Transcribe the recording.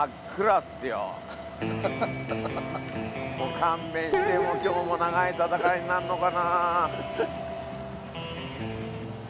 勘弁して今日も長い戦いになるのかな。